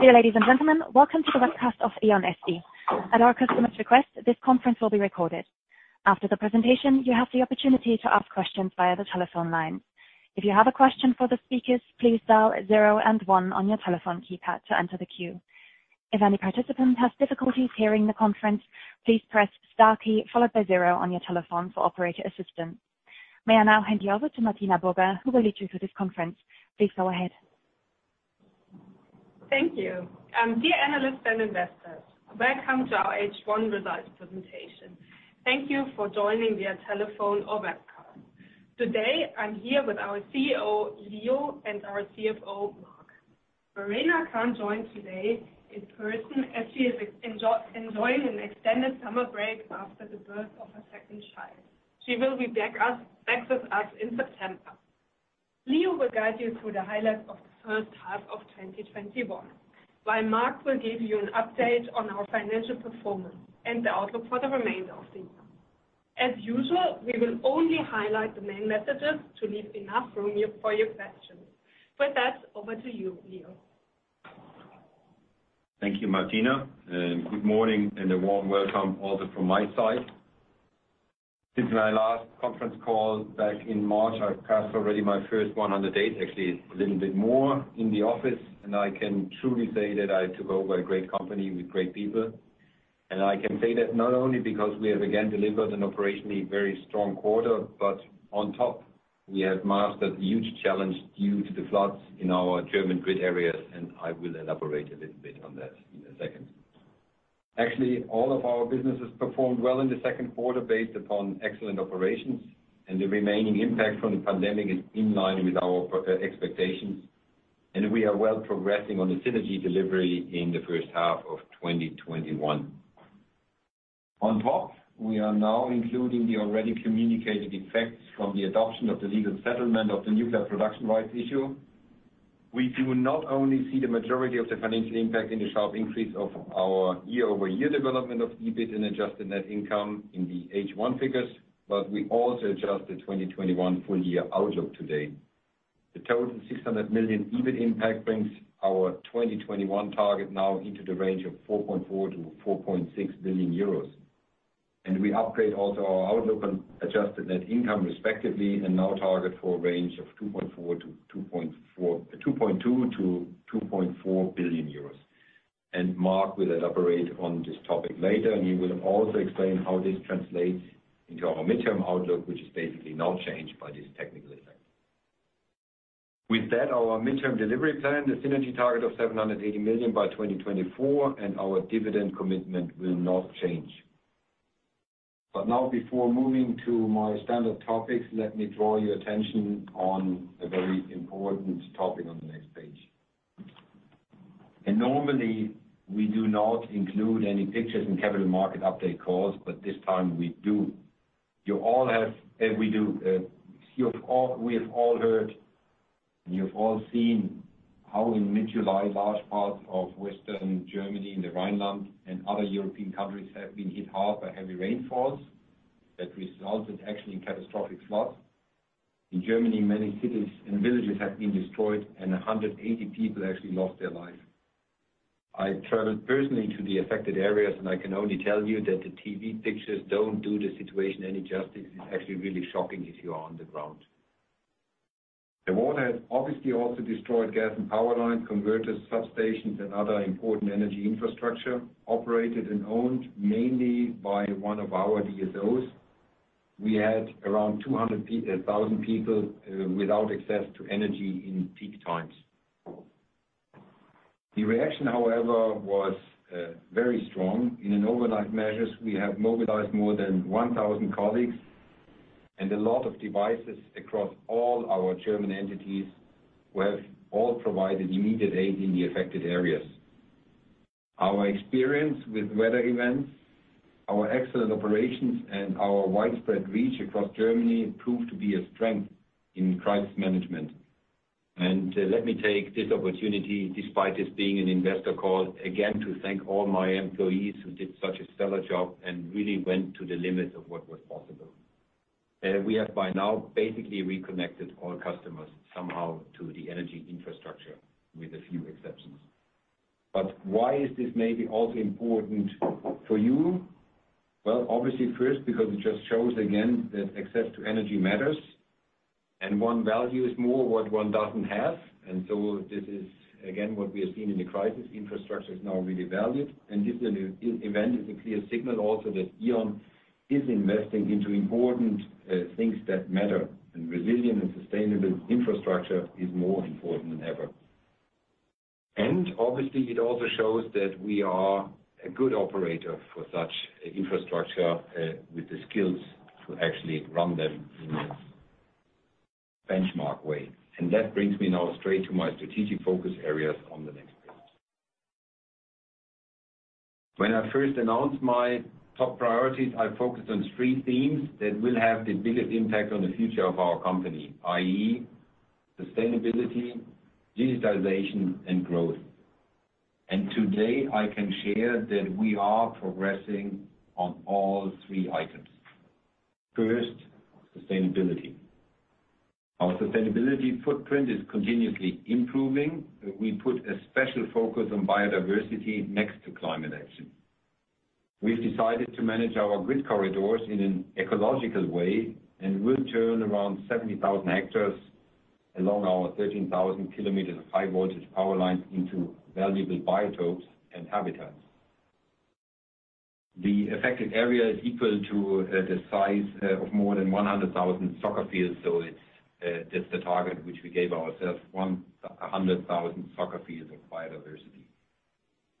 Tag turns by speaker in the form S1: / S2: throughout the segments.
S1: Dear ladies and gentlemen, welcome to the webcast of E.ON SE. At our customer's request, this conference will be recorded. After the presentation, you have the opportunity to ask questions via the telephone line. If you have a question for the speakers, please dial zero and one on your telephone keypad to enter the queue. If any participant has difficulties hearing the conference, please press star key followed by zero on your telephone for operator assistance. May I now hand you over to Martina Högberg who will lead you through this conference. Please go ahead.
S2: Thank you. Dear analysts and investors, welcome to our H1 results presentation. Thank you for joining via telephone or webcast. Today, I'm here with our CEO, Leonhard Birnbaum, and our CFO, Marc Spieker Verena can't join today in person, as she is enjoying an extended summer break after the birth of her second child. She will be back with us in September. Leo will guide you through the highlights of the first half of 2021, while Mark will give you an update on our financial performance and the outlook for the remainder of the year. As usual, we will only highlight the main messages to leave enough room here for your questions. With that, over to you, Leo.
S3: Thank you, Martina, and good morning and a warm welcome also from my side. Since my last conference call back in March, I've passed already my first 100 days, actually a little bit more in the office, and I can truly say that I took over a great company with great people. I can say that not only because we have again delivered an operationally very strong quarter, but on top, we have mastered huge challenge due to the floods in our German grid areas, and I will elaborate a little bit on that in a second. Actually, all of our businesses performed well in the second quarter based upon excellent operations, and the remaining impact from the pandemic is in line with our prior expectations, and we are well progressing on the synergy delivery in the first half of 2021. On top, we are now including the already communicated effects from the adoption of the legal settlement of the nuclear production rights issue. We do not only see the majority of the financial impact in the sharp increase of our year-over-year development of EBIT and adjusted net income in the H1 figures, but we also adjusted 2021 full year outlook today. The total 600 million EBIT impact brings our 2021 target now into the range of 4.4 billion-4.6 billion euros. We upgrade also our outlook on adjusted net income respectively and now target for a range of two point two to two point four billion euros. Marc will elaborate on this topic later, and he will also explain how this translates into our midterm outlook, which is basically now changed by this technical effect. With that, our midterm delivery plan, the synergy target of 780 million by 2024, and our dividend commitment will not change. Now before moving to my standard topics, let me draw your attention on a very important topic on the next page. Normally, we do not include any pictures in capital market update calls, but this time we do. We have all heard, and you've all seen how in mid-July, large parts of Western Germany and the Rhineland and other European countries have been hit hard by heavy rainfalls that resulted actually in catastrophic floods. In Germany, many cities and villages have been destroyed, and 180 people actually lost their life. I traveled personally to the affected areas, and I can only tell you that the TV pictures don't do the situation any justice. It's actually really shocking if you are on the ground. The water has obviously also destroyed gas and power lines, converters, substations, and other important energy infrastructure operated and owned mainly by one of our DSOs. We had around 200,000 people without access to energy in peak times. The reaction, however, was very strong. In overnight measures, we have mobilized more than 1,000 colleagues and a lot of devices across all our German entities who have all provided immediate aid in the affected areas. Our experience with weather events, our excellent operations, and our widespread reach across Germany proved to be a strength in crisis management. Let me take this opportunity, despite this being an investor call, again, to thank all my employees who did such a stellar job and really went to the limits of what was possible. We have by now basically reconnected all customers somehow to the energy infrastructure with a few exceptions. Why is this maybe also important for you? Well, obviously first, because it just shows again that access to energy matters and one values more what one doesn't have. This is again what we have seen in the crisis. Infrastructure is now really valued and this event is a clear signal also that E.ON is investing into important things that matter, and resilient and sustainable infrastructure is more important than ever. Obviously, it also shows that we are a good operator for such infrastructure with the skills to actually run them in a benchmark way. That brings me now straight to my strategic focus areas on the next page. When I first announced my top priorities, I focused on three themes that will have the biggest impact on the future of our company, i.e., sustainability, digitalization, and growth. Today I can share that we are progressing on all three items. First, sustainability. Our sustainability footprint is continuously improving, and we put a special focus on biodiversity next to climate action. We've decided to manage our grid corridors in an ecological way, and will turn around 70,000 hectares along our 13,000 kilometers of high-voltage power lines into valuable biotopes and habitats. The affected area is equal to the size of more than 100,000 soccer fields. So it's, that's the target which we gave ourselves, 100,000 soccer fields of biodiversity.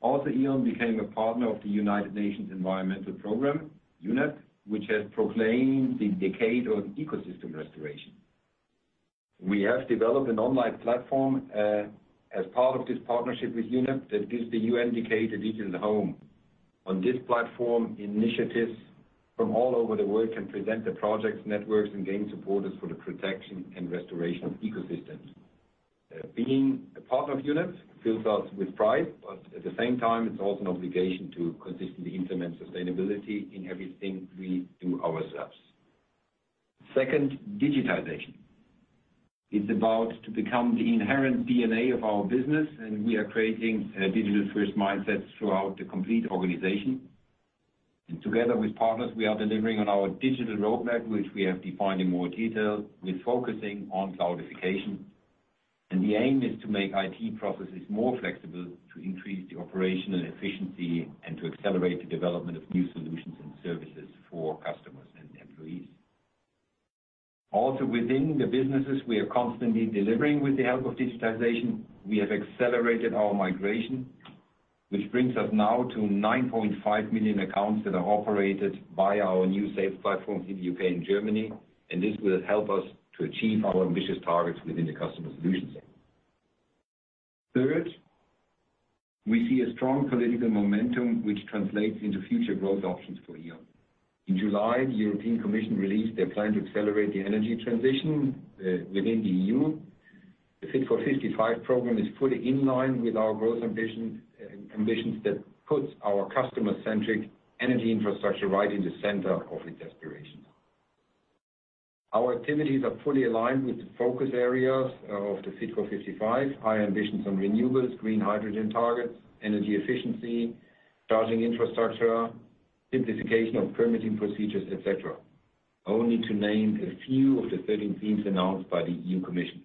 S3: Also, E.ON became a partner of the United Nations Environment Programme, UNEP, which has proclaimed the decade of ecosystem restoration. We have developed an online platform, as part of this partnership with UNEP that gives the UN decade a digital home. On this platform, initiatives from all over the world can present their projects, networks, and gain supporters for the protection and restoration of ecosystems. Being a partner of UNEP fills us with pride, but at the same time, it's also an obligation to consistently implement sustainability in everything we do ourselves. Second, digitization. It's about to become the inherent DNA of our business, and we are creating a digital-first mindset throughout the complete organization. Together with partners, we are delivering on our digital roadmap, which we have defined in more detail. We're focusing on cloudification, and the aim is to make IT processes more flexible to increase the operational efficiency and to accelerate the development of new solutions and services for customers and employees. Also within the businesses, we are constantly delivering with the help of digitization. We have accelerated our migration, which brings us now to 9.5 million accounts that are operated by our new SAP platforms in the U.K. and Germany, and this will help us to achieve our ambitious targets within the Customer Solutions area. Third, we see a strong political momentum which translates into future growth options for E.ON. In July, the European Commission released their plan to accelerate the energy transition within the EU. The Fit for 55 program is fully in line with our growth ambition, ambitions that puts our customer-centric energy infrastructure right in the center of its aspirations. Our activities are fully aligned with the focus areas of the Fit for 55, high ambitions on renewables, green hydrogen targets, energy efficiency, charging infrastructure, simplification of permitting procedures, et cetera. Only to name a few of the 13 themes announced by the European Commission.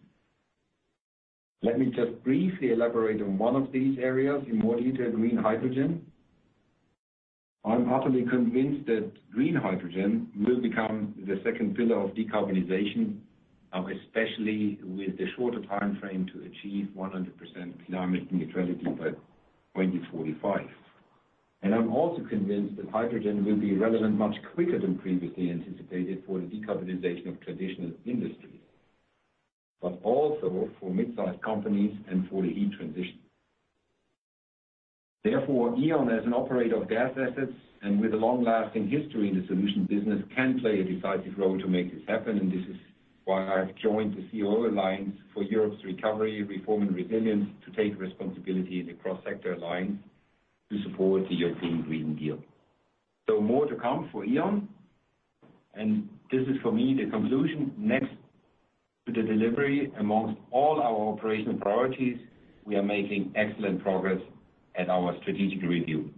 S3: Let me just briefly elaborate on one of these areas in more detail, green hydrogen. I'm utterly convinced that green hydrogen will become the second pillar of decarbonization, especially with the shorter timeframe to achieve 100% climate neutrality by 2045. I'm also convinced that hydrogen will be relevant much quicker than previously anticipated for the decarbonization of traditional industries, but also for mid-sized companies and for the e-transition. Therefore, E.ON, as an operator of gas assets and with a long-lasting history in the solution business, can play a decisive role to make this happen, and this is why I've joined the CEO Alliance for Europe's Recovery, Reform and Resilience to take responsibility in the cross-sector alliance to support the European Green Deal. More to come for E.ON, and this is for me the conclusion. Next to the delivery among all our operational priorities, we are making excellent progress at our strategic review.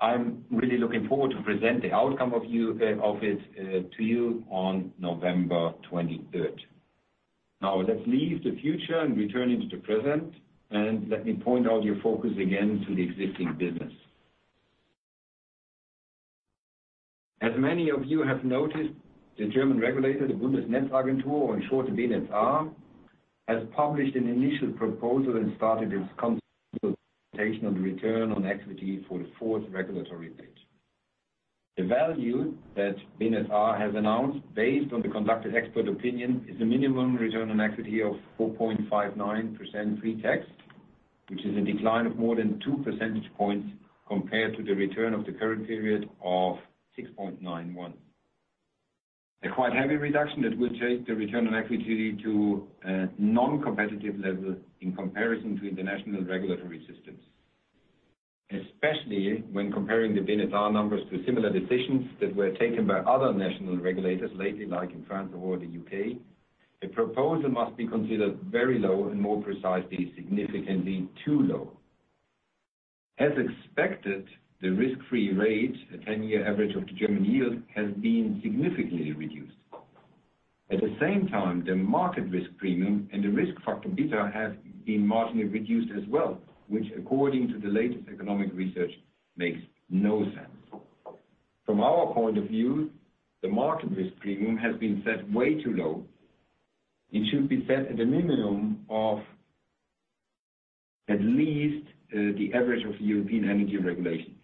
S3: I'm really looking forward to present the outcome of it to you on November 23rd. Now, let's leave the future and return to the present, and let me point out your focus again to the existing business. As many of you have noticed, the German regulator, the Bundesnetzagentur, or in short, the BNetzA, has published an initial proposal and started its consultation on the return on equity for the fourth regulatory period. The value that BNetzA has announced, based on the conducted expert opinion, is a minimum return on equity of 4.59% pre-tax, which is a decline of more than two percentage points compared to the return of the current period of 6.91. A quite heavy reduction that will take the return on equity to a non-competitive level in comparison to international regulatory systems. Especially when comparing the BNetzA numbers to similar decisions that were taken by other national regulators lately, like in France or the U.K., the proposal must be considered very low and more precisely, significantly too low. As expected, the risk-free rate, the 10-year average of the German yield, has been significantly reduced. At the same time, the market risk premium and the risk factor beta have been marginally reduced as well, which according to the latest economic research makes no sense. From our point of view, the market risk premium has been set way too low. It should be set at a minimum of at least the average of European energy regulation.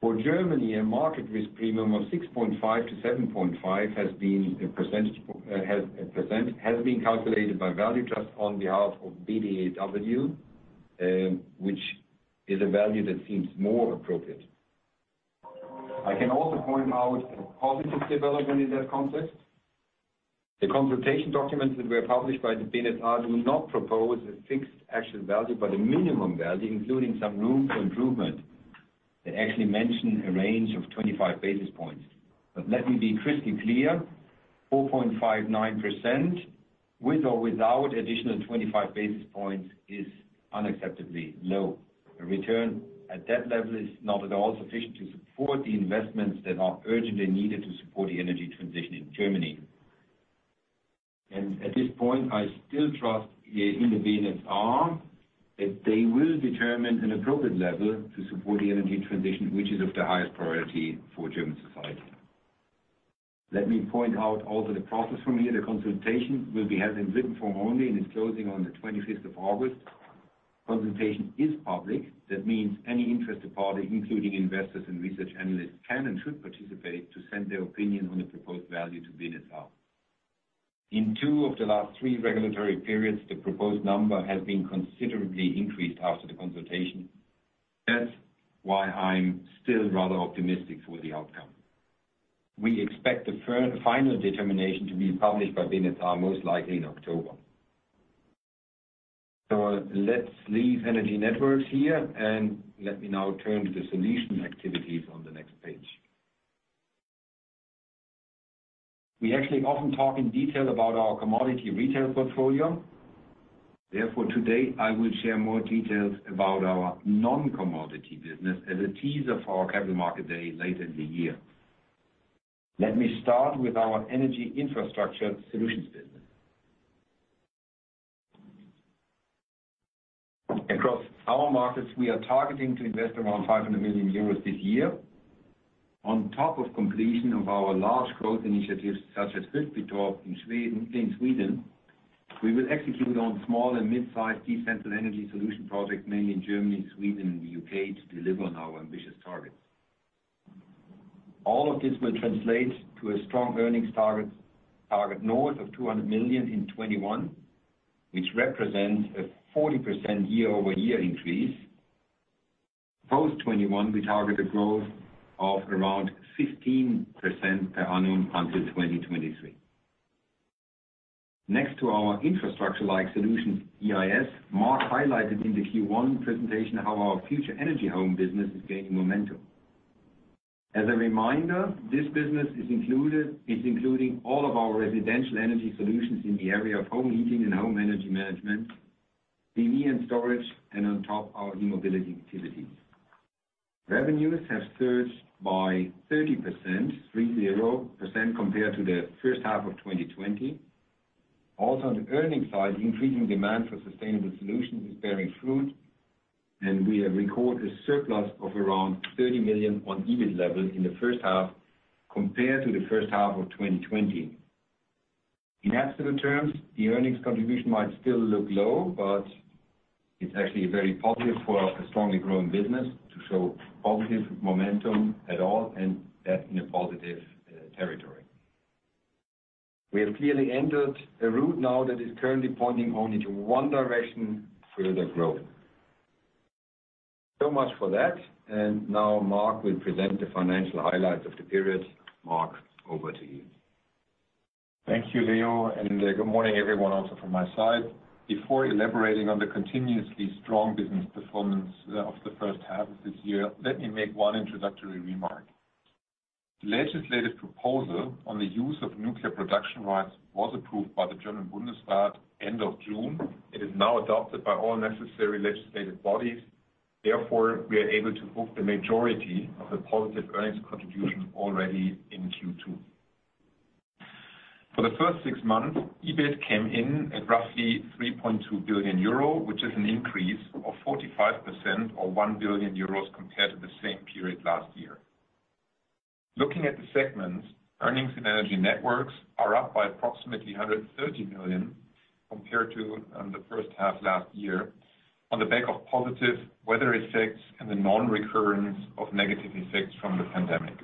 S3: For Germany, a market risk premium of 6.5%-7.5% has been calculated by ValueTrust on behalf of BDEW, which is a value that seems more appropriate. I can also point out a positive development in that context. The consultation documents that were published by the BNetzA do not propose a fixed action value, but a minimum value, including some room for improvement. It actually mentioned a range of 25 basis points. Let me be crystal clear, 4.59% with or without additional 25 basis points is unacceptably low. A return at that level is not at all sufficient to support the investments that are urgently needed to support the energy transition in Germany. At this point, I still trust in the BNetzA that they will determine an appropriate level to support the energy transition, which is of the highest priority for German society. Let me point out also the process from here. The consultation will be held in written form only, and it's closing on the 25th of August. Consultation is public. That means any interested party, including investors and research analysts, can and should participate to send their opinion on the proposed value to BNetzA. In two of the last three regulatory periods, the proposed number has been considerably increased after the consultation. That's why I'm still rather optimistic for the outcome. We expect the final determination to be published by BNetzA most likely in October. Let's leave energy networks here, and let me now turn to the solution activities on the next page. We actually often talk in detail about our commodity retail portfolio. Therefore, today I will share more details about our non-commodity business as a teaser for our Capital Markets Day later in the year. Let me start with our Energy Infrastructure Solutions business. Across our markets, we are targeting to invest around 500 million euros this year. On top of completion of our large growth initiatives, such as Kristineberg in Sweden, we will execute on small and mid-sized decentralized energy solution projects, mainly in Germany, Sweden, and the U.K., to deliver on our ambitious targets. All of this will translate to a strong earnings target north of 200 million in 2021, which represents a 40% year-over-year increase. Post-2021, we target a growth of around 15% per annum until 2023. Next to our infrastructure-like solutions, EIS, Mark highlighted in the Q1 presentation how our Future Energy Home business is gaining momentum. As a reminder, this business is including all of our residential energy solutions in the area of home heating and home energy management, PV and storage, and on top, our e-mobility activities. Revenues have surged by 30% compared to the first half of 2020. Also, on the earnings side, increasing demand for sustainable solutions is bearing fruit, and we have recorded a surplus of around 30 million on EBIT levels in the first half compared to the first half of 2020. In absolute terms, the earnings contribution might still look low, but it's actually very positive for a strongly growing business to show positive momentum at all and that in a positive territory. We have clearly entered a route now that is currently pointing only to one direction, further growth. Much for that. Now Mark will present the financial highlights of the period. Marc, over to you.
S4: Thank you, Leo, and good morning everyone also from my side. Before elaborating on the continuously strong business performance of the first half of this year, let me make one introductory remark. Legislative proposal on the use of nuclear production rights was approved by the German Bundestag at the end of June. It is now adopted by all necessary legislative bodies. Therefore, we are able to book the majority of the positive earnings contribution already in Q2. For the first six months, EBIT came in at roughly 3.2 billion euro, which is an increase of 45% or 1 billion euros compared to the same period last year. Looking at the segments, earnings in Energy Networks are up by approximately 130 million compared to the first half last year on the back of positive weather effects and the non-recurrence of negative effects from the pandemic.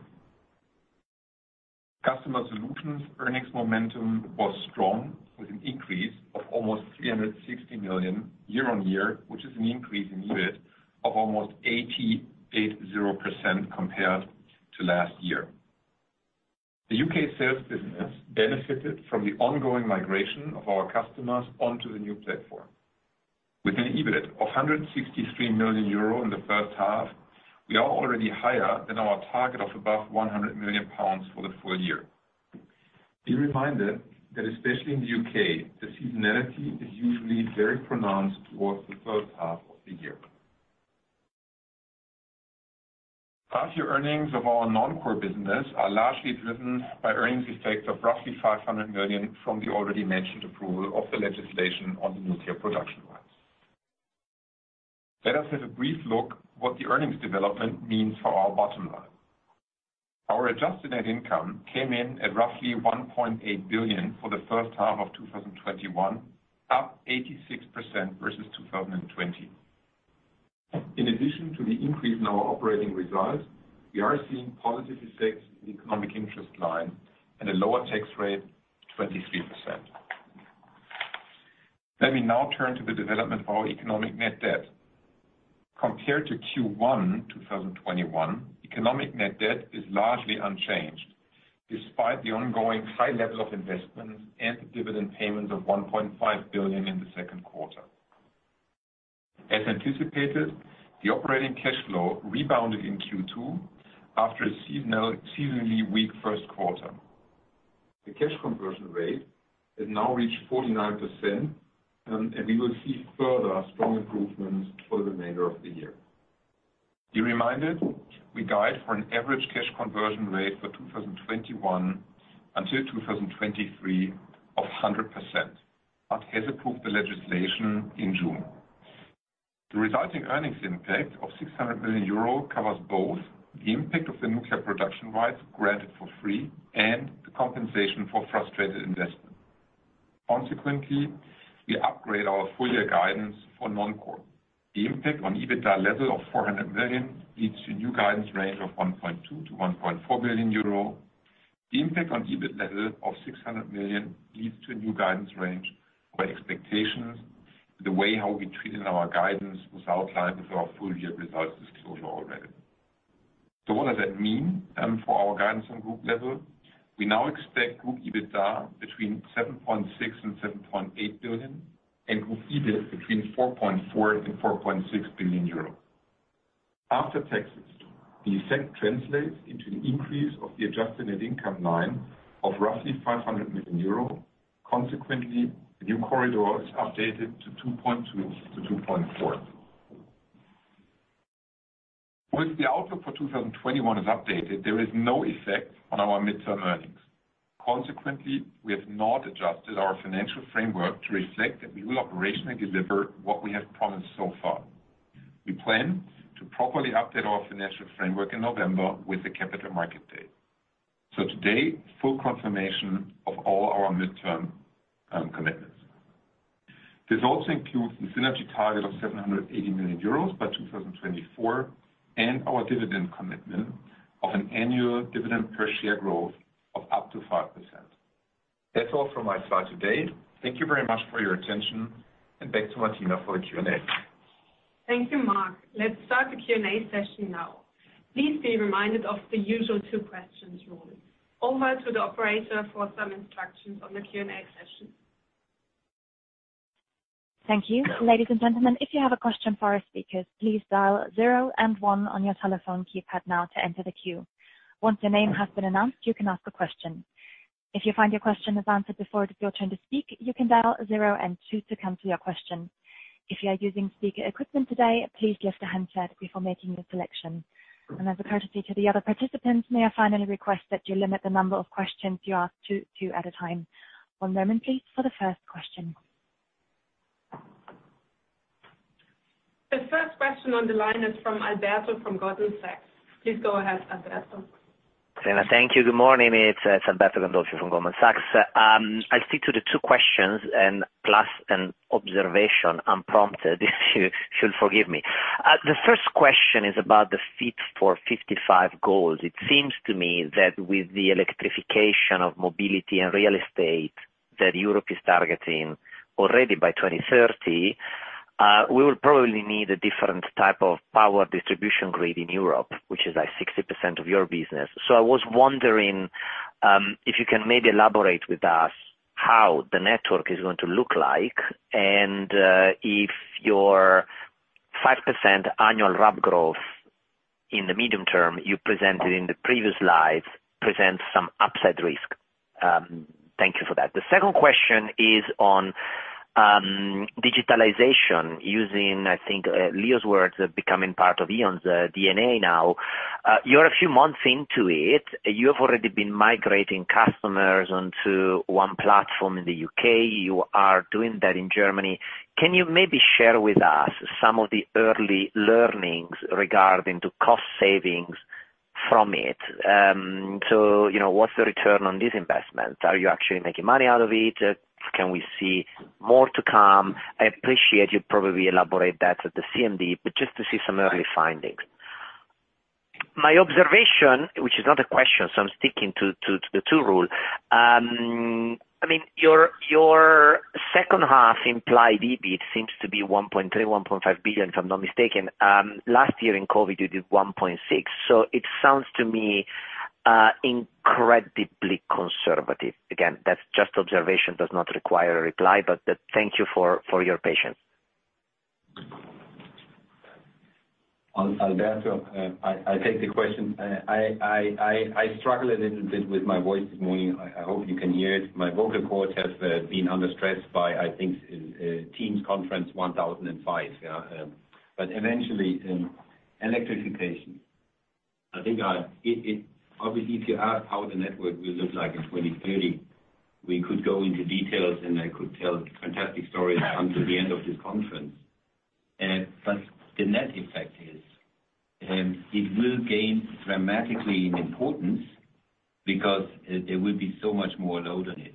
S4: Customer Solutions earnings momentum was strong with an increase of almost 360 million year-on-year, which is an increase in EBIT of almost 88.0% compared to last year. The U.K. sales business benefited from the ongoing migration of our customers onto the new platform. With an EBIT of 163 million euro in the first half, we are already higher than our target of above 100 million pounds for the full year. Be reminded that especially in the U.K., the seasonality is usually very pronounced towards the second half of the year. Half-year earnings of our non-core business are largely driven by earnings effects of roughly 500 million from the already mentioned approval of the legislation on the nuclear production rights. Let us have a brief look what the earnings development means for our bottom line. Our adjusted net income came in at roughly 1.8 billion for the first half of 2021, up 86% versus 2020. In addition to the increase in our operating results, we are seeing positive effects in economic interest line and a lower tax rate, 23%. Let me now turn to the development of our economic net debt. Compared to Q1 2021, economic net debt is largely unchanged, despite the ongoing high levels of investment and the dividend payment of 1.5 billion in the second quarter. As anticipated, the operating cash flow rebounded in Q2 after a seasonal, seasonally weak first quarter. The cash conversion rate has now reached 49% and we will see further strong improvements for the remainder of the year. Be reminded, we guide for an average cash conversion rate for 2021 until 2023 of 100%. Bundestag has approved the legislation in June. The resulting earnings impact of 600 million euro covers both the impact of the nuclear production rights granted for free and the compensation for frustrated investment. Consequently, we upgrade our full year guidance for non-core. The impact on EBITDA level of 400 million leads to new guidance range of 1.2 billion-1.4 billion euro. The impact on EBIT level of 600 million leads to a new guidance range where expectations, the way how we treated our guidance was outlined with our full-year results disclosure already. What does that mean for our guidance on group level? We now expect group EBITDA between 7.6 billion and 7.8 billion and group EBIT between 4.4 billion and 4.6 billion euro. After taxes, the effect translates into an increase of the adjusted net income line of roughly 500 million euro. Consequently, the new corridor is updated to 2.2 billion-2.4 billion. With the outlook for 2021 is updated, there is no effect on our midterm earnings. Consequently, we have not adjusted our financial framework to reflect that we will operationally deliver what we have promised so far. We plan to properly update our financial framework in November with the Capital Markets Day. Today, full confirmation of all our midterm commitments. This also includes the synergy target of 780 million euros by 2024, and our dividend commitment of an annual dividend per share growth of up to 5%. That's all from my side today. Thank you very much for your attention and back to Martina for the Q&A.
S2: Thank you, Marc. Let's start the Q&A session now. Please be reminded of the usual two questions rule. Over to the operator for some instructions on the Q&A session.
S1: Thank you. Ladies and gentlemen, if you have a question for our speakers, please dial zero and one on your telephone keypad now to enter the queue. Once your name has been announced, you can ask a question. If you find your question is answered before it is your turn to speak, you can dial zero and two to cancel your question. If you are using speaker equipment today, please lift the handset before making your selection. As a courtesy to the other participants, may I finally request that you limit the number of questions you ask to two at a time. One moment, please, for the first question.
S2: The first question on the line is from Alberto from Goldman Sachs. Please go ahead, Alberto.
S5: Thank you. Good morning. It's Alberto Gandolfi from Goldman Sachs. I'll stick to the two questions and plus an observation unprompted, if you should forgive me. The first question is about the Fit for 55 goals. It seems to me that with the electrification of mobility and real estate that Europe is targeting already by 2030, we will probably need a different type of power distribution grid in Europe, which is, like, 60% of your business. I was wondering, if you can maybe elaborate with us how the network is going to look like, and, if your 5% annual RAB growth in the medium term you presented in the previous slide presents some upside risk. Thank you for that. The second question is on digitalization using, I think, Leo's words, becoming part of E.ON's DNA now. You're a few months into it. You have already been migrating customers onto one platform in the U.K. You are doing that in Germany. Can you maybe share with us some of the early learnings regarding to cost savings from it? So, you know, what's the return on this investment? Are you actually making money out of it? Can we see more to come? I appreciate you'd probably elaborate that at the CMD, but just to see some early findings. My observation, which is not a question, so I'm sticking to the two rule. I mean, your second half implied EBIT seems to be 1.3 billion-1.5 billion, if I'm not mistaken. Last year in COVID, you did 1.6 billion. So it sounds to me incredibly conservative. Again, that's just observation, does not require a reply. Thank you for your patience.
S3: Alberto, I take the question. I struggle a little bit with my voice this morning. I hope you can hear it. My vocal cords have been under stress by, I think, Teams conference 1,005. Yeah. Eventually electrification. I think it obviously if you ask how the network will look like in 2030, we could go into details, and I could tell fantastic stories until the end of this conference. The net effect is it will gain dramatically in importance because there will be so much more load on it.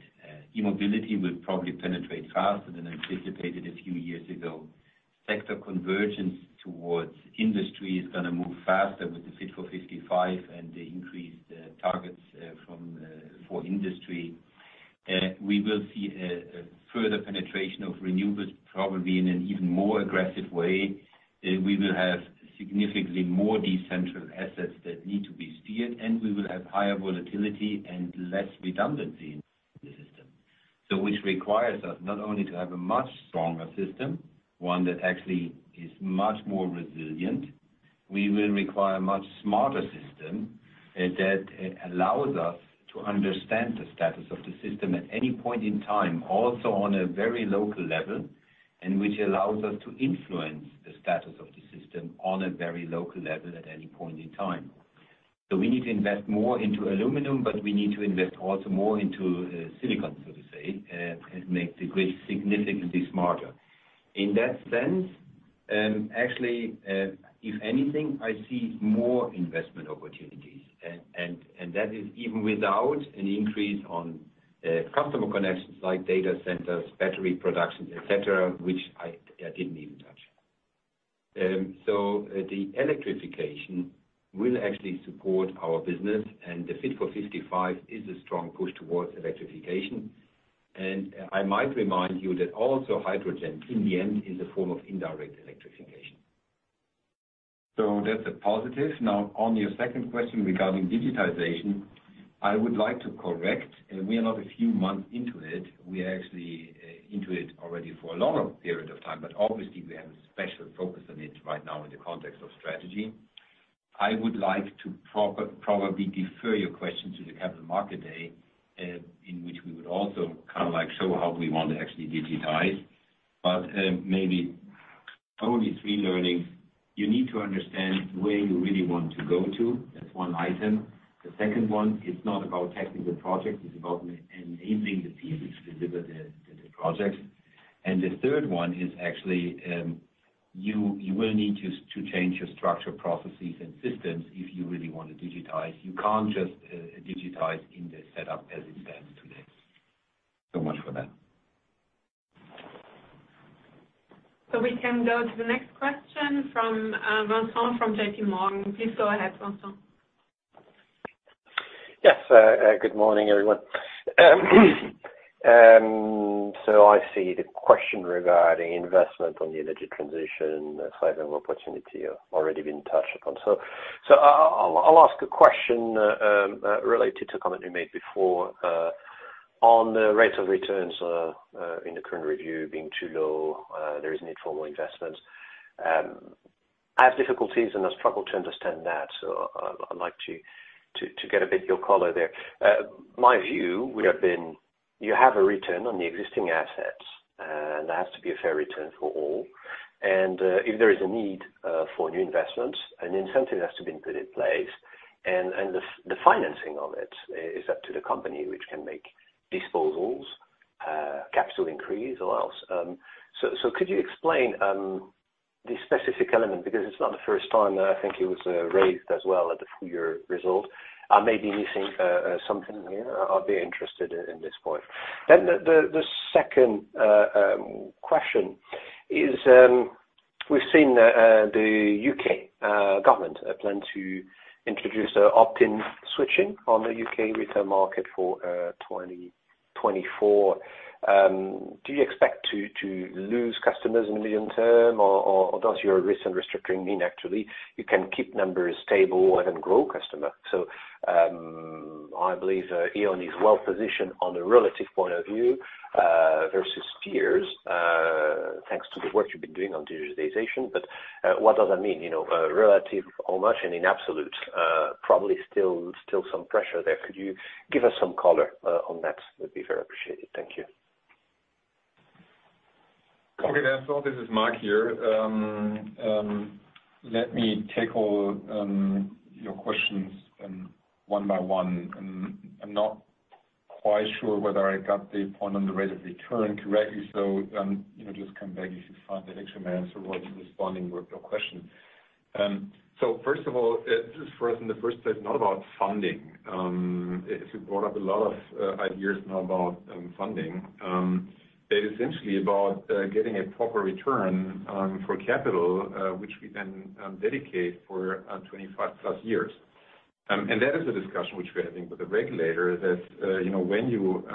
S3: E-mobility will probably penetrate faster than anticipated a few years ago. Sector convergence towards industry is going to move faster with the Fit for 55 and the increased targets for industry. We will see a further penetration of renewables, probably in an even more aggressive way. We will have significantly more decentral assets that need to be steered, and we will have higher volatility and less redundancy in the system. Which requires us not only to have a much stronger system, one that actually is much more resilient. We will require a much smarter system that allows us to understand the status of the system at any point in time, also on a very local level, and which allows us to influence the status of the system on a very local level at any point in time. We need to invest more into aluminum, but we need to invest also more into silicon, so to say, and make the grid significantly smarter. In that sense, actually, if anything, I see more investment opportunities, and that is even without an increase on customer connections like data centers, battery production, et cetera, which I didn't even touch. The electrification will actually support our business, and the Fit for 55 is a strong push towards electrification. I might remind you that also hydrogen in the end is a form of indirect electrification. That's a positive. Now, on your second question regarding digitization, I would like to correct. We are not a few months into it. We are actually into it already for a longer period of time, but obviously we have a special focus on it right now in the context of strategy. I would like to probably defer your question to the Capital Markets Day, in which we would also kind of like show how we want to actually digitize. Maybe only three learnings. You need to understand where you really want to go to. That's one item. The second one, it's not about technical projects, it's about enabling the pieces to deliver the projects. The third one is actually, you will need to change your structure, processes, and systems if you really want to digitize. You can't just digitize in the setup as it stands today. Much for that.
S2: We can go to the next question from Vincent from JP Morgan. Please go ahead, Vincent.
S6: Yes. Good morning, everyone. I see the question regarding investment on the energy transition side of opportunity already been touched upon. I'll ask a question related to a comment you made before on the rate of returns in the current review being too low, there is need for more investment. I have difficulties and I struggle to understand that. I'd like to get a bit of your color there. My view would have been you have a return on the existing assets, and that has to be a fair return for all. If there is a need for new investments, an incentive has to be put in place and the financing of it is up to the company which can make disposals, capital increase or else. Could you explain the specific element? Because it's not the first time that I think it was raised as well at the full-year result. I may be missing something here. I'll be interested in this point. The second question is, we've seen the U.K. government plan to introduce an opt-in switching on the U.K. retail market for 2024. Do you expect to lose customers in the medium term or does your recent restructuring mean actually you can keep numbers stable and grow customer? I believe E.ON is well positioned on a relative point of view, versus peers, thanks to the work you've been doing on digitization. But, what does that mean? You know, relative how much and in absolute, probably still some pressure there. Could you give us some color, on that? Would be very appreciated. Thank you.
S4: Okay. This is Marc here. Let me tackle your questions one by one. I'm not quite sure whether I got the point on the rate of return correctly. You know, just come back if you find that actually my answer was responding to your question. First of all, this is for us in the first place, not about funding. It brought up a lot of ideas now about funding. It's essentially about getting a proper return for capital which we can dedicate for 25+ years. That is a discussion which we are having with the regulator that, you know, when you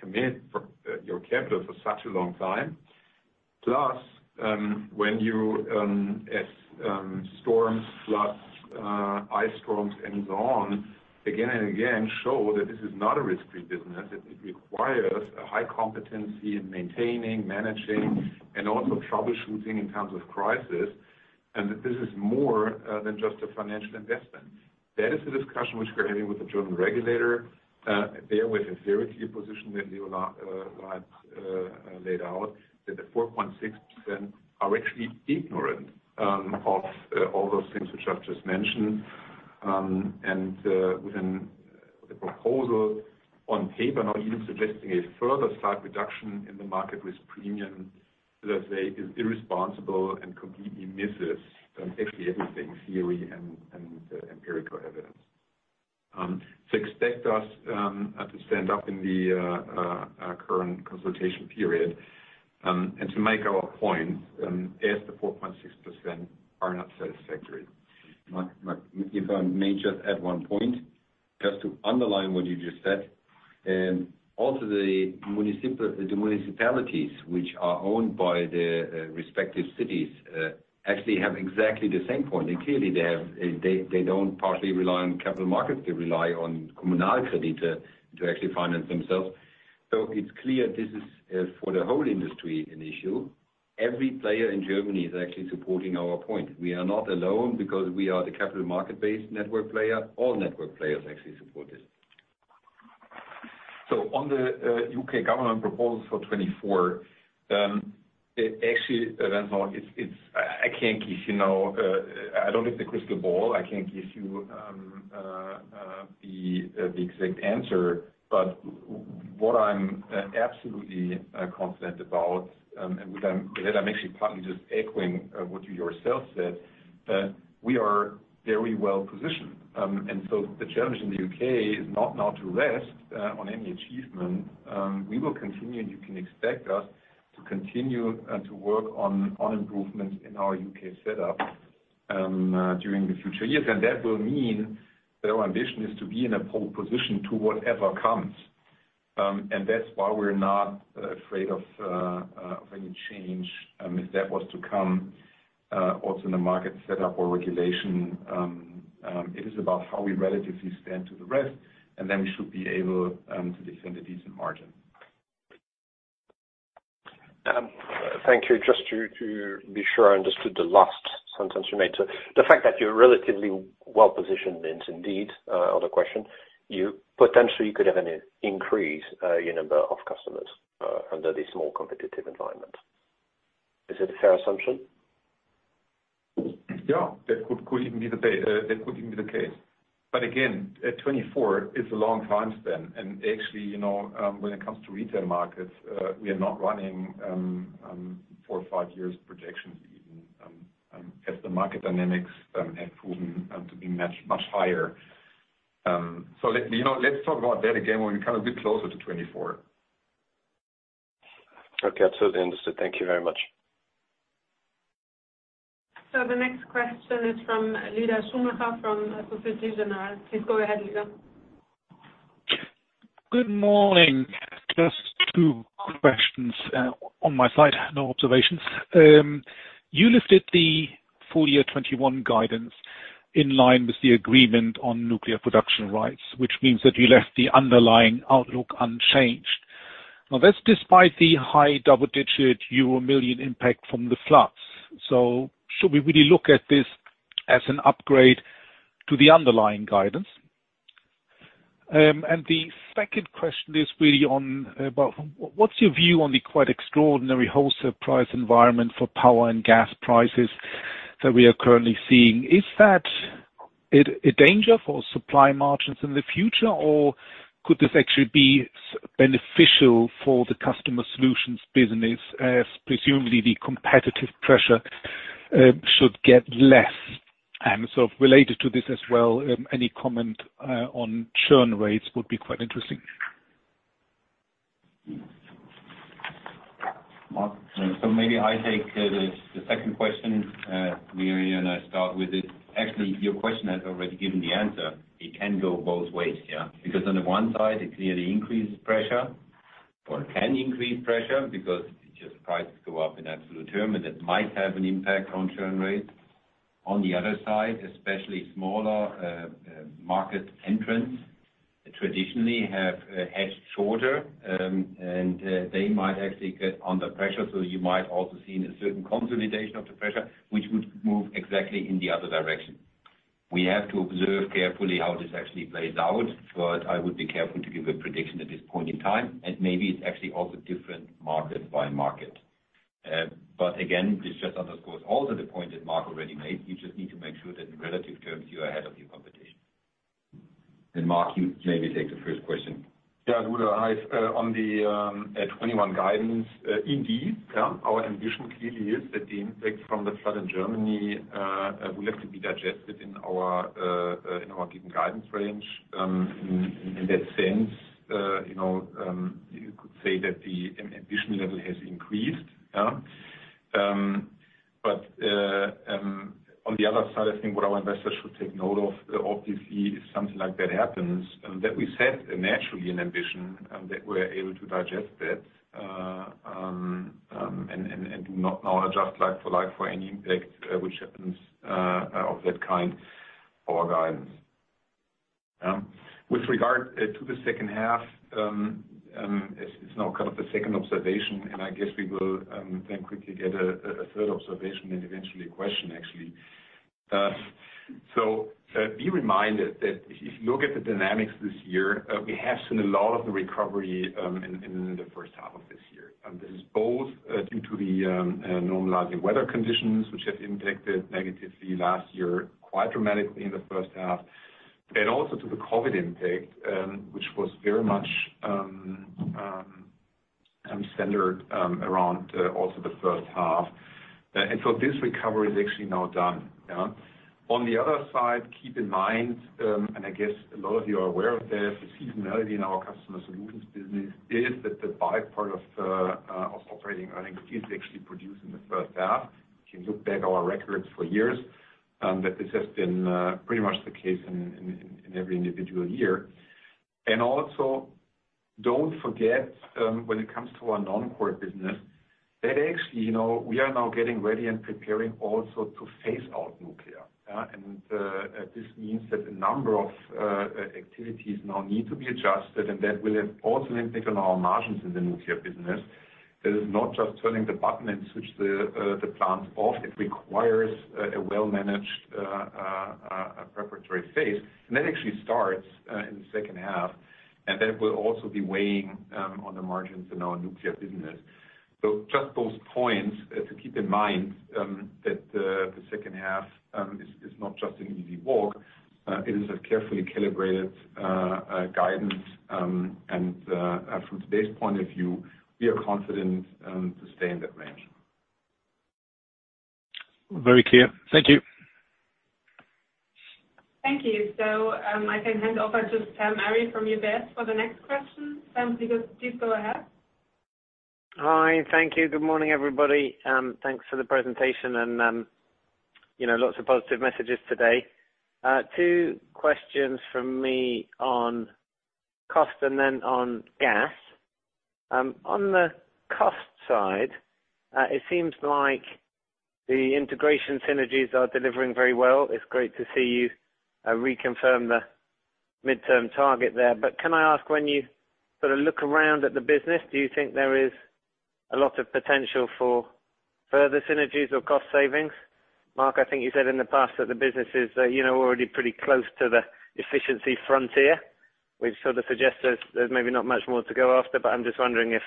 S4: commit your capital for such a long time, plus, as storms and ice storms and so on, again and again show that this is not a risky business. It requires a high competency in maintaining, managing, and also troubleshooting in times of crisis, and that this is more than just a financial investment. That is the discussion which we're having with the German regulator. They have a very clear position that Leonhard Birnbaum laid out, that the 4.6% are actually ignorant of all those things which I've just mentioned. Within the proposal on paper now even suggesting a further slight reduction in the market risk premium, let's say, is irresponsible and completely misses actually everything, theory and empirical evidence. Expect us to stand up in the current consultation period and to make our point as the 4.6% are not satisfactory.
S3: Marc, if I may just add one point, just to underline what you just said, and also the municipalities which are owned by the respective cities actually have exactly the same point. Clearly they don't partly rely on capital markets, they rely on communal creditor to actually finance themselves. It's clear this is for the whole industry an issue. Every player in Germany is actually supporting our point. We are not alone because we are the capital market-based network player. All network players actually support this. On the U.K. government proposal for 2024, I can't give you the exact answer. I don't have the crystal ball. What I'm absolutely confident about, and what I'm actually partly just echoing what you yourself said, we are very well-positioned. The challenge in the U.K. is not now to rest on any achievement. We will continue, and you can expect us to continue and to work on improvements in our U.K. setup during the future years. That will mean that our ambition is to be in a pole position to whatever comes. That's why we're not afraid of any change, if that was to come, also in the market setup or regulation. It is about how we relatively stand to the rest, and then we should be able to defend a decent margin.
S6: Thank you. Just to be sure I understood the last sentence you made. The fact that you're relatively well-positioned is indeed another question. You potentially could have an increase in your number of customers under this more competitive environment. Is it a fair assumption?
S3: Yeah, that could even be the case. Again, 2024 is a long time span. Actually, you know, when it comes to retail markets, we are not running 4 or 5 years projections even, as the market dynamics have proven to be much higher. You know, let's talk about that again when we come a bit closer to 2024.
S6: Okay. That's understood. Thank you very much.
S2: The next question is from Lueder Schumacher from Société Générale. Please go ahead, Lueder.
S7: Good morning. Just two questions on my side. No observations. You lifted the full year 2021 guidance in line with the agreement on nuclear production rights, which means that you left the underlying outlook unchanged. Now that's despite the high double-digit euro million impact from the floods. Should we really look at this as an upgrade to the underlying guidance? The second question is really on about what's your view on the quite extraordinary wholesale price environment for power and gas prices that we are currently seeing? Is that a danger for supply margins in the future, or could this actually be beneficial for the Customer Solutions business, as presumably the competitive pressure should get less? Related to this as well, any comment on churn rates would be quite interesting.
S3: Marc. Maybe I take the second question, Maria, and I start with it. Actually, your question has already given the answer. It can go both ways, yeah. Because on the one side, it clearly increases pressure or can increase pressure because just prices go up in absolute terms, and that might have an impact on churn rates. On the other side, especially smaller market entrants traditionally have a hedge shorter, and they might actually get under pressure. You might also see a certain consolidation of the pressure, which would move exactly in the other direction. We have to observe carefully how this actually plays out, but I would be careful to give a prediction at this point in time, and maybe it's actually also different market by market. Again, this just underscores also the point that Mark already made. You just need to make sure that in relative terms, you are ahead of your competition. Marc Spieker, you maybe take the first question.
S4: Yeah. I would on the 2021 guidance indeed yeah our ambition clearly is that the impact from the flood in Germany will have to be digested in our given guidance range. In that sense, you know, you could say that the ambition level has increased. Yeah. On the other side, I think what our investors should take note of obviously if something like that happens that we set naturally an ambition that we're able to digest that and not now adjust like for like for any impact which happens of that kind for our guidance. With regard to the second half, it's now kind of the second observation, and I guess we will then quickly get a third observation and eventually a question, actually. Be reminded that if you look at the dynamics this year, we have seen a lot of the recovery in the first half of this year. This is both due to the normalizing weather conditions which have impacted negatively last year, quite dramatically in the first half, and also to the COVID impact, which was very much Centered around also the first half. This recovery is actually now done. Yeah. On the other side, keep in mind, and I guess a lot of you are aware of this, the seasonality in our Customer Solutions business is that the buy part of operating earnings is actually produced in the first half. You can look back our records for years that this has been pretty much the case in every individual year. Don't forget, when it comes to our non-core business that actually, you know, we are now getting ready and preparing also to phase out nuclear. Yeah. This means that a number of activities now need to be adjusted, and that will also have an impact on our margins in the nuclear business. It is not just turning the button and switch the plant off. It requires a well-managed preparatory phase. That actually starts in the second half, and that will also be weighing on the margins in our nuclear business. Just those points to keep in mind that the second half is not just an easy walk. It is a carefully calibrated guidance. From today's point of view, we are confident to stay in that range.
S7: Very clear. Thank you.
S2: Thank you. I can hand over to Sam Arie from UBS for the next question. Sam, please go ahead.
S8: Hi. Thank you. Good morning, everybody. Thanks for the presentation and, you know, lots of positive messages today. Two questions from me on cost and then on gas. On the cost side, it seems like the integration synergies are delivering very well. It's great to see you reconfirm the midterm target there. But can I ask, when you sort of look around at the business, do you think there is a lot of potential for further synergies or cost savings? Mark, I think you said in the past that the business is, you know, already pretty close to the efficiency frontier, which sort of suggests there's maybe not much more to go after. But I'm just wondering if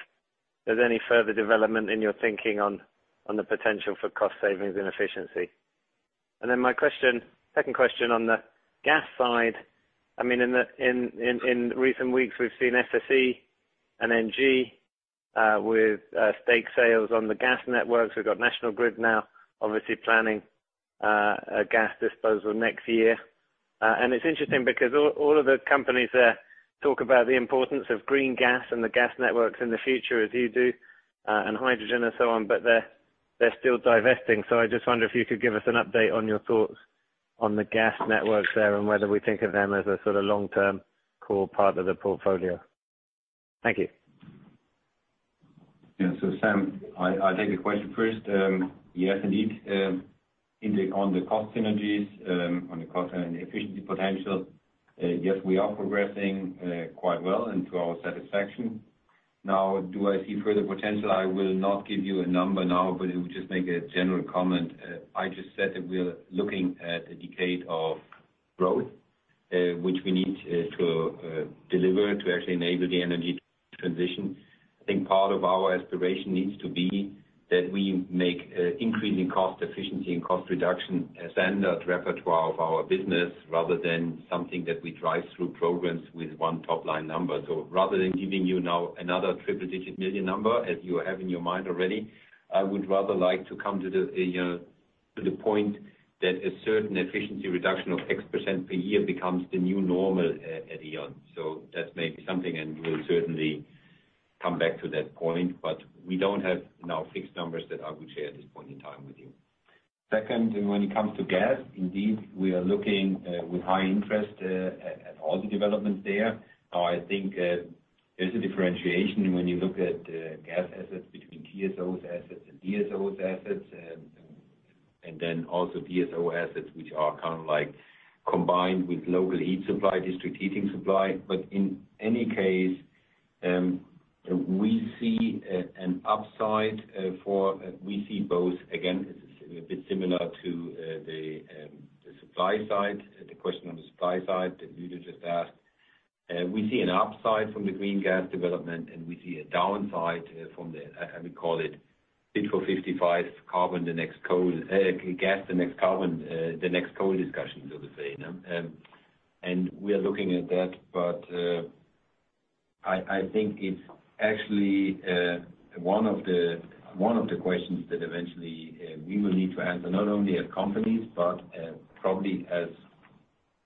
S8: there's any further development in your thinking on the potential for cost savings and efficiency. My question, second question on the gas side. I mean, in recent weeks, we've seen SSE and NG with stake sales on the gas networks. We've got National Grid now, obviously planning a gas disposal next year. It's interesting because all of the companies talk about the importance of green gas and the gas networks in the future as you do, and hydrogen and so on, but they're still divesting. I just wonder if you could give us an update on your thoughts on the gas networks there and whether we think of them as a sort of long-term core part of the portfolio. Thank you.
S3: Yeah, Sam, I'll take the question first. Yes, indeed on the cost synergies, on the cost and efficiency potential, yes, we are progressing quite well and to our satisfaction. Now, do I see further potential? I will not give you a number now, but I'll just make a general comment. I just said that we are looking at a decade of growth, which we need to deliver to actually enable the energy transition. I think part of our aspiration needs to be that we make increasing cost efficiency and cost reduction a standard repertoire of our business, rather than something that we drive through programs with one top-line number. Rather than giving you now another triple-digit million number, as you have in your mind already, I would rather like to come to the point that a certain efficiency reduction of X% per year becomes the new normal at E.ON. That's maybe something, and we'll certainly come back to that point. We don't have now fixed numbers that I would share at this point in time with you. Second, when it comes to gas, indeed, we are looking with high interest at all the developments there. Now, I think, there's a differentiation when you look at gas assets between TSOs assets and DSOs assets and then also DSO assets, which are kind of like combined with local heat supply, district heating supply. In any case, we see an upside, we see both. Again, it's a bit similar to the supply side, the question on the supply side that Judith just asked. We see an upside from the green gas development, and we see a downside from the we call it Fit for 55 carbon, the next coal. Gas, the next carbon, the next coal discussion, so to say. We are looking at that. I think it's actually one of the questions that eventually we will need to answer not only as companies, but probably as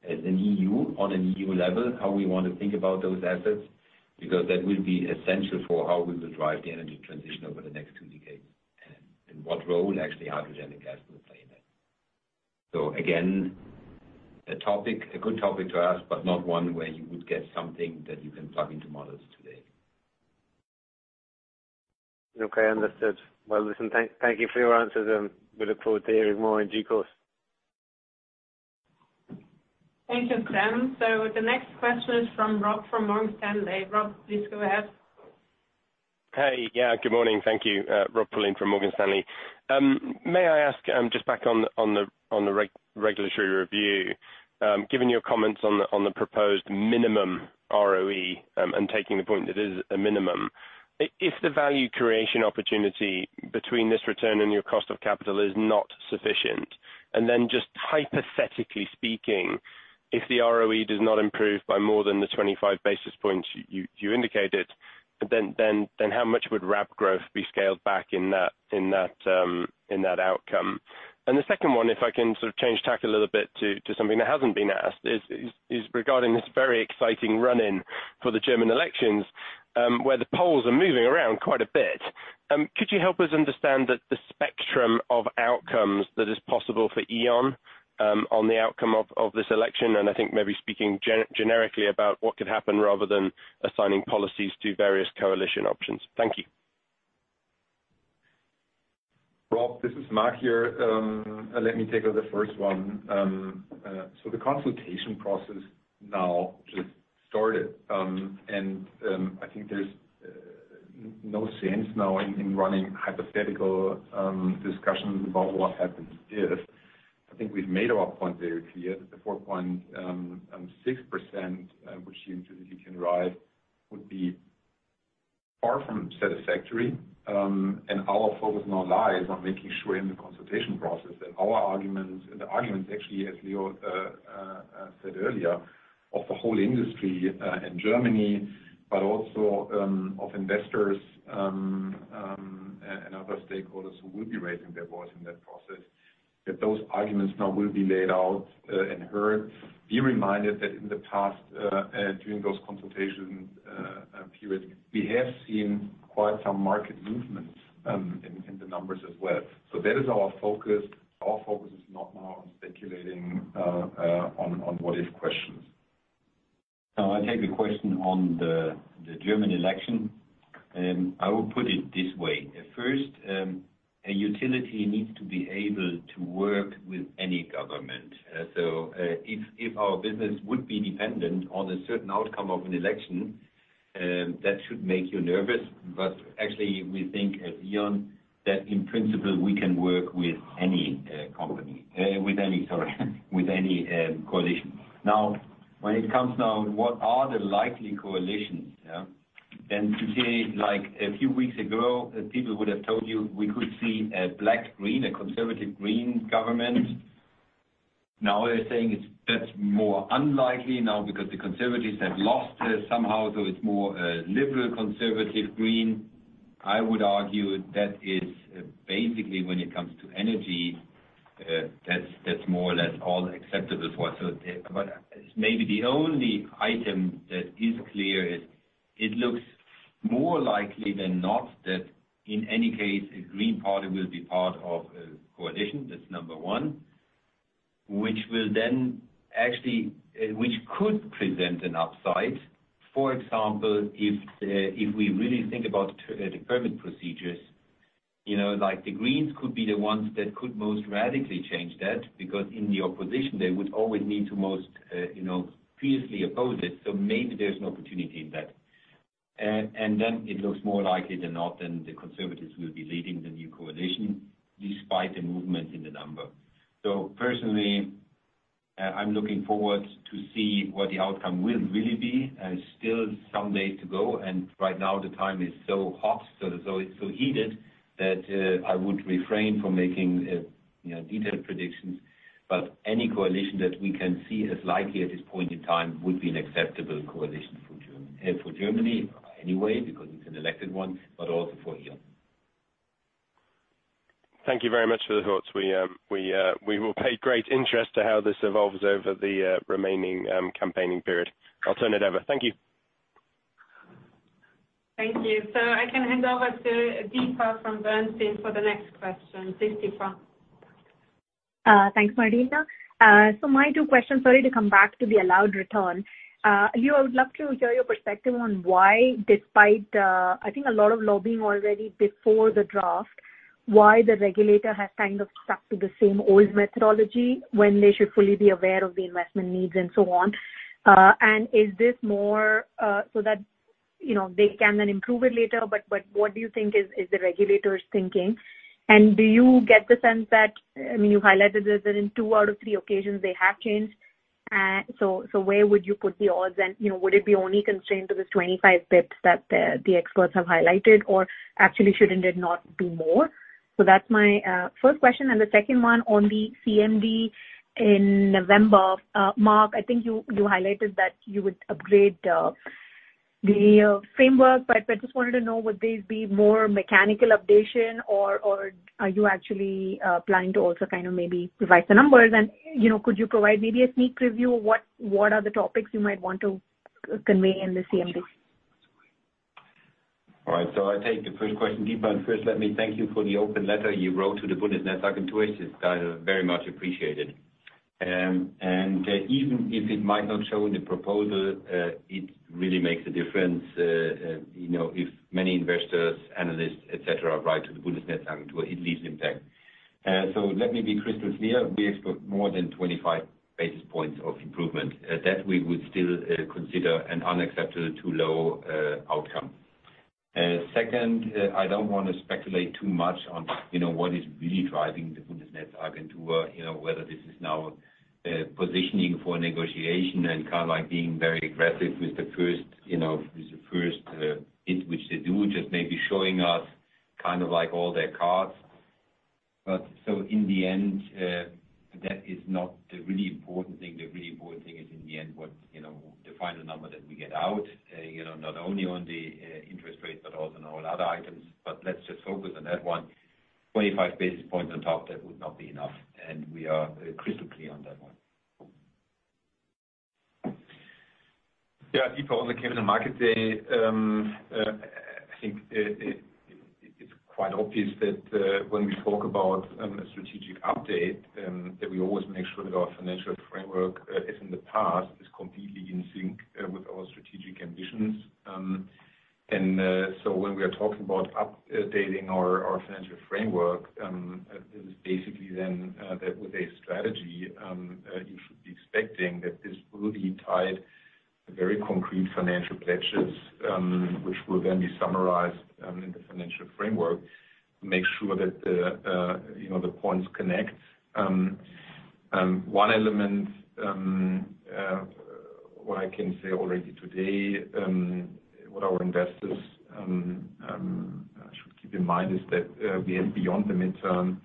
S3: an EU on an EU level, how we want to think about those assets, because that will be essential for how we will drive the energy transition over the next two decades and what role actually hydrogen and gas will play in it. Again, a topic, a good topic to ask, but not one where you would get something that you can plug into models today.
S8: Okay, understood. Well, listen, thank you for your answers, and we look forward to hearing more in due course.
S2: Thank you, Sam. The next question is from Rob, from Morgan Stanley. Rob, please go ahead.
S9: Hey. Yeah, good morning. Thank you. Rob Pulleyn from Morgan Stanley. May I ask, just back on the regulatory review, given your comments on the proposed minimum ROE, and taking the point that is a minimum, if the value creation opportunity between this return and your cost of capital is not sufficient, and then just hypothetically speaking, if the ROE does not improve by more than the 25 basis points you indicated. Then how much would RAB growth be scaled back in that outcome? And the second one, if I can sort of change tack a little bit to something that hasn't been asked is regarding this very exciting run-up for the German elections, where the polls are moving around quite a bit. Could you help us understand the spectrum of outcomes that is possible for E.ON on the outcome of this election? I think maybe speaking generically about what could happen rather than assigning policies to various coalition options. Thank you.
S4: Rob, this is Marc here. Let me take on the first one. The consultation process now just started. I think there's no sense now in running hypothetical discussions about what happens if. I think we've made our point very clear that the 4.6%, which seems as if you can derive, would be far from satisfactory. Our focus now lies on making sure in the consultation process that our arguments and the arguments, actually, as Leo said earlier, of the whole industry in Germany, but also of investors and other stakeholders who will be raising their voice in that process, that those arguments now will be laid out and heard. Be reminded that in the past, during those consultations period, we have seen quite some market movements in the numbers as well. That is our focus. Our focus is not now on speculating on what if questions.
S3: I take a question on the German election, and I will put it this way. At first, a utility needs to be able to work with any government. If our business would be dependent on a certain outcome of an election, that should make you nervous. Actually, we think at E.ON that in principle, we can work with any coalition. When it comes to what are the likely coalitions. Like a few weeks ago, people would have told you we could see a black green, a conservative green government. They're saying that's more unlikely now because the conservatives have lost somehow, so it's more liberal conservative green. I would argue that is basically when it comes to energy, that's more or less all acceptable for us. Maybe the only item that is clear is it looks more likely than not that in any case, a Green Party will be part of a coalition. That's number one. Which could present an upside. For example, if we really think about the permit procedures, you know, like the Greens could be the ones that could most radically change that, because in the opposition, they would always need to most, you know, fiercely oppose it. Maybe there's an opportunity in that. It looks more likely than not, the conservatives will be leading the new coalition despite the movement in the number. Personally, I'm looking forward to see what the outcome will really be. Still some way to go. Right now the time is so hot, so it's so heated that I would refrain from making you know detailed predictions. Any coalition that we can see as likely at this point in time would be an acceptable coalition for Germany anyway, because it's an elected one, but also for E.ON.
S9: Thank you very much for the thoughts. We will pay great interest to how this evolves over the remaining campaigning period. I'll turn it over. Thank you.
S2: Thank you. I can hand over to Deepa from Bernstein for the next question. Please, Deepa.
S10: Thanks, Martina. My two questions, sorry to come back to the allowed return. Leo, I would love to hear your perspective on why, despite, I think a lot of lobbying already before the draft, why the regulator has kind of stuck to the same old methodology when they should fully be aware of the investment needs and so on. Is this more, so that, you know, they can then improve it later? What do you think is the regulator's thinking? Do you get the sense that, I mean, you highlighted that in two out of three occasions they have changed. Where would you put the odds and, you know, would it be only constrained to this 25 pips that the experts have highlighted or actually shouldn't it not do more? That's my first question and the second one on the CMD in November. Marc, I think you highlighted that you would upgrade the framework, but I just wanted to know, would this be more mechanical updation or are you actually planning to also kind of maybe provide the numbers and, you know, could you provide maybe a sneak preview of what are the topics you might want to convey in the CMD?
S3: All right. I take the first question, Deepa. First let me thank you for the open letter you wrote to the Bundesnetzagentur. It's very much appreciated. Even if it might not show in the proposal, it really makes a difference, you know, if many investors, analysts, et cetera, write to the Bundesnetzagentur, it leaves impact. Let me be crystal clear. We expect more than 25 basis points of improvement. That we would still consider an unacceptable, too low outcome. Second, I don't want to speculate too much on, you know, what is really driving the Bundesnetzagentur, you know, whether this is now positioning for negotiation and kind of like being very aggressive with the first bid which they do, just maybe showing us kind of like all their cards. In the end, that is not the really important thing. The really important thing is in the end, what, you know, the final number that we get out, you know, not only on the interest rates, but also on all other items. Let's just focus on that one. 25 basis points on top, that would not be enough, and we are crystal clear on that one.
S4: Yeah, people on the Capital Markets Day, I think it's quite obvious that when we talk about a strategic update that we always make sure that our financial framework as in the past is completely in sync with our strategic ambitions. When we are talking about updating our financial framework, this is basically then that with a strategy you should be expecting that this will be tied to very concrete financial pledges which will then be summarized in the financial framework to make sure that the, you know, the points connect. One element, what I can say already today, what our investors should keep in mind is that we have, beyond the midterm,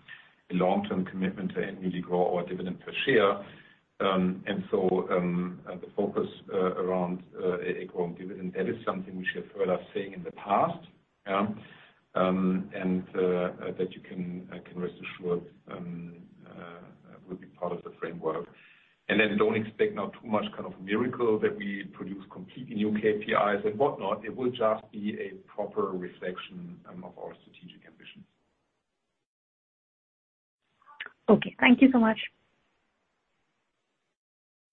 S4: a long-term commitment to annually grow our dividend per share. The focus around a growing dividend, that is something we have seen in the past, and that you can rest assured will be part of the framework. Then don't expect now too much kind of miracle that we produce completely new KPIs and whatnot. It will just be a proper reflection of our strategic ambitions.
S10: Okay, thank you so much.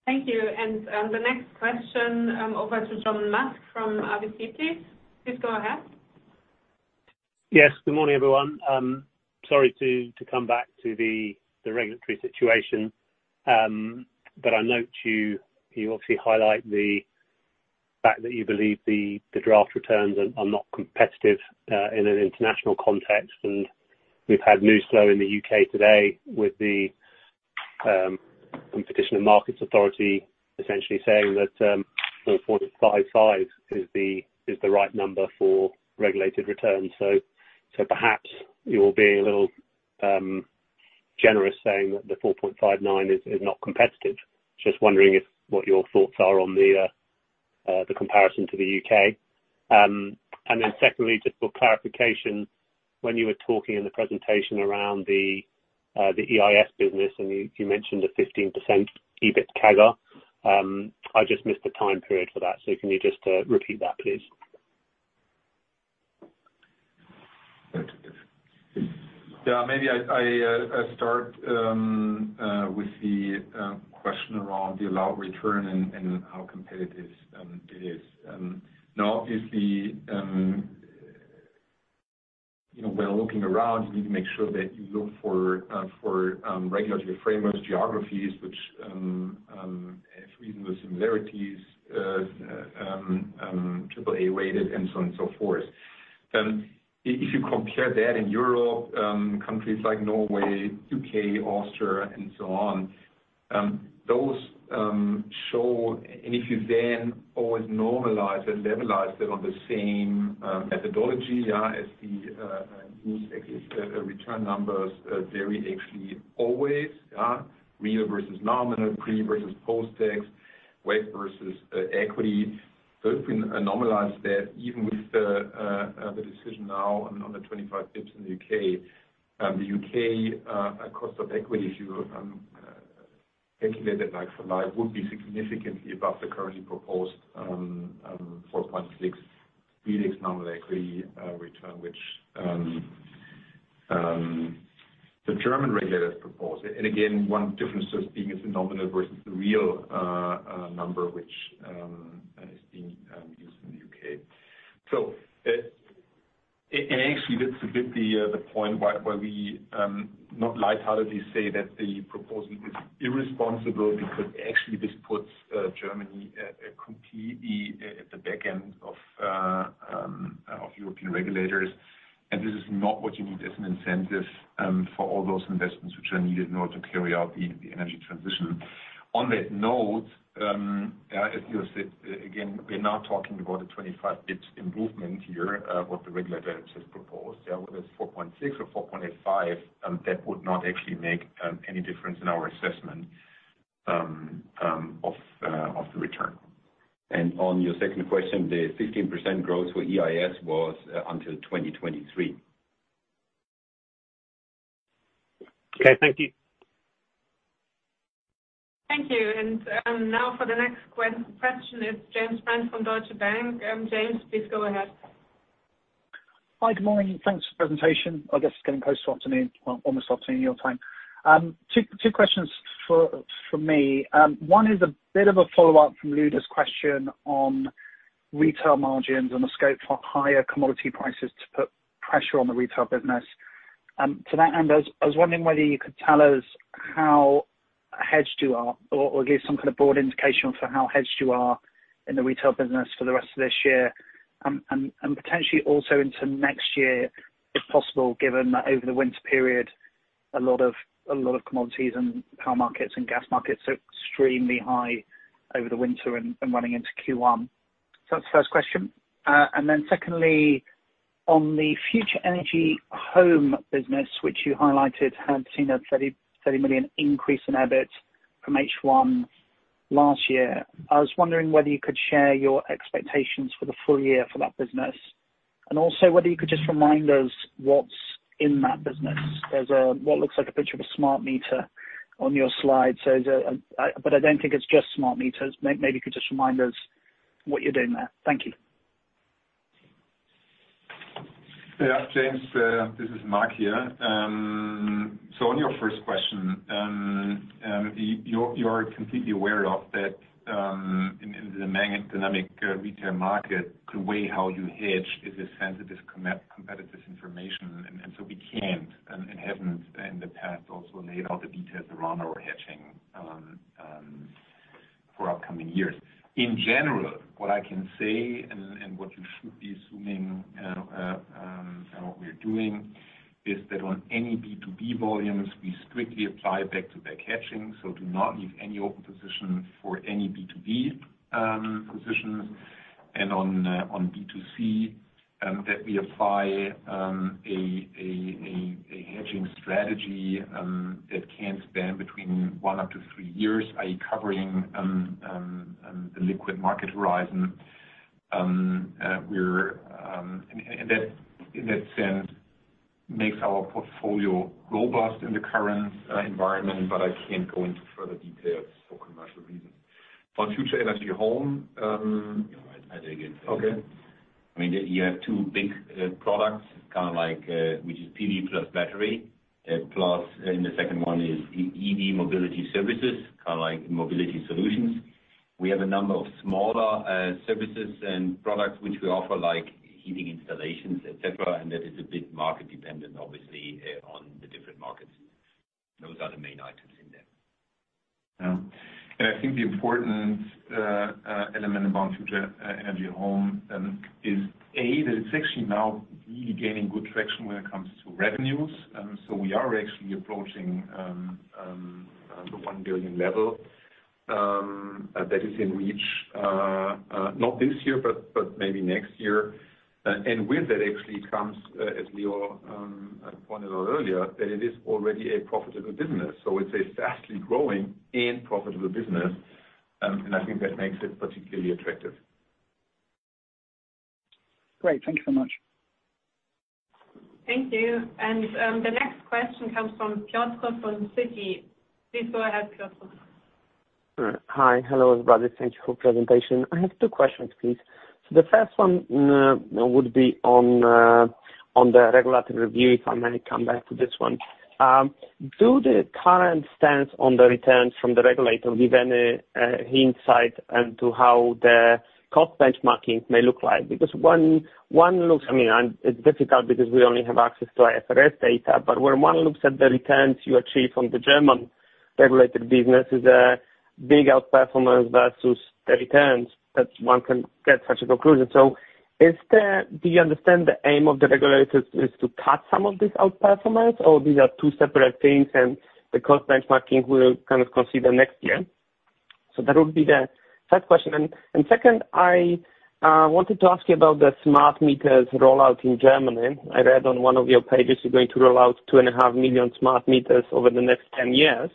S2: Thank you. The next question over to John Musk from RBC. Please go ahead.
S11: Yes, good morning, everyone. Sorry to come back to the regulatory situation, but I note you obviously highlight the fact that you believe the draft returns are not competitive in an international context. We've had news flow in the U.K. today with the Competition and Markets Authority essentially saying that 4.55 is the right number for regulated returns. Perhaps you're being a little generous saying that the 4.59 is not competitive. Just wondering what your thoughts are on the comparison to the U.K. And then secondly, just for clarification, when you were talking in the presentation around the EIS business, and you mentioned a 15% EBIT CAGR. I just missed the time period for that. Can you just repeat that, please?
S4: Yeah. Maybe I start with the question around the allowed return and how competitive it is. Now obviously, you know, when looking around, you need to make sure that you look for regulatory frameworks, geographies which have reasonable similarities, triple A rated and so on and so forth. If you compare that in Europe, countries like Norway, U.K., Austria and so on, those show, and if you then always normalize and levelize them on the same methodology, as the return numbers vary actually always, real versus nominal, pre versus post-tax, weight versus equity. If we normalize that, even with the decision now on the 25 bps in the U.K., the U.K. cost of equity, if you calculate it like for like, would be significantly above the currently proposed 4.6 real nominal equity return, which the German regulators propose. Again, one difference just being it's a nominal versus the real number which is being used in the U.K. Actually that's a bit the point why we not lightheartedly say that the proposal is irresponsible because actually this puts Germany completely at the back end of European regulators. This is not what you need as an incentive for all those investments which are needed in order to carry out the energy transition. On that note, as you said, again, we're not talking about a 25 basis points improvement here, what the regulators have proposed. Whether it's 4.6 or 4.85, that would not actually make any difference in our assessment of the return. On your second question, the 15% growth for EIS was until 2023.
S11: Okay, thank you.
S2: Thank you. Now for the next question is James Brand from Deutsche Bank. James, please go ahead.
S12: Hi, good morning. Thanks for the presentation. I guess it's getting close to afternoon, well, almost afternoon your time. Two questions from me. One is a bit of a follow-up from Luda's question on retail margins and the scope for higher commodity prices to put pressure on the retail business. To that end, I was wondering whether you could tell us how hedged you are or give some kind of broad indication for how hedged you are in the retail business for the rest of this year and potentially also into next year, if possible, given that over the winter period a lot of commodities and power markets and gas markets are extremely high over the winter and running into Q1. That's the first question. Secondly, on the Future Energy Home business, which you highlighted had seen a 30 million increase in EBIT from H1 last year. I was wondering whether you could share your expectations for the full year for that business. Also whether you could just remind us what's in that business. There's what looks like a picture of a smart meter on your slide, so but I don't think it's just smart meters. Maybe you could just remind us what you're doing there. Thank you.
S4: Yeah, James, this is Marc here. So on your first question, you're completely aware of that, in the dynamic retail market, the way how you hedge is a sensitive competitive information. So we can't and haven't in the past also laid all the details around our hedging for upcoming years. In general, what I can say and what you should be assuming and what we're doing is that on any B2B volumes, we strictly apply back-to-back hedging, so do not leave any open position for any B2B positions. And on B2C, that we apply a hedging strategy that can span between one up to three years, i.e., covering the liquid market horizon. We're... That in that sense makes our portfolio robust in the current environment, but I can't go into further details for commercial reasons. On Future Energy Home,
S3: Yeah, I'll take it.
S4: Okay.
S3: I mean, you have two big products, kind of like which is PV plus battery. Plus, and the second one is EV mobility services, kind of like mobility solutions. We have a number of smaller services and products which we offer, like heating installations, et cetera, and that is a bit market-dependent, obviously, on the different markets. Those are the main items in there.
S4: Yeah. I think the important element about Future Energy Home is, A, that it's actually now really gaining good traction when it comes to revenues. We are actually approaching the 1 billion level that is in reach. Not this year, but maybe next year. With that actually comes, as Leo pointed out earlier, that it is already a profitable business. It's a fastly growing and profitable business, and I think that makes it particularly attractive.
S12: Great. Thank you so much.
S2: Thank you. The next question comes from Piotr from Citi. Please go ahead, Piotr.
S13: Hi. Hello, everybody. Thank you for your presentation. I have two questions, please. The first one would be on the regulatory review, if I may come back to this one. Do the current stance on the returns from the regulator give any insight into how the cost benchmarking may look like? Because one looks—I mean, it's difficult because we only have access to IFRS data, but when one looks at the returns you achieve from the German regulated business is a big outperformance versus the returns that one can get. Such a conclusion. Do you understand the aim of the regulators is to cut some of this outperformance, or these are two separate things and the cost benchmarking we'll kind of consider next year? That would be the first question. Second, I wanted to ask you about the smart meter rollout in Germany. I read on one of your pages you're going to roll out 2.5 million smart meters over the next 10 years.